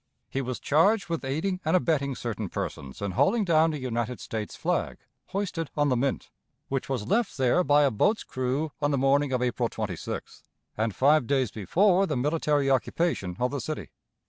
He was charged with aiding and abetting certain persons in hauling down a United States flag hoisted on the mint, which was left there by a boat's crew on the morning of April 26th, and five days before the military occupation of the city.